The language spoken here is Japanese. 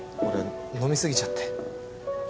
俺飲み過ぎちゃって。